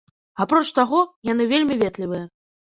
Апроч таго, яны вельмі ветлівыя.